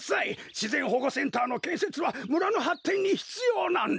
しぜんほごセンターのけんせつは村のはってんにひつようなんだ。